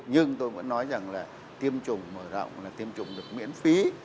nhưng tôi vẫn nói rằng là tiêm chủng mở rộng là tiêm chủng được miễn phí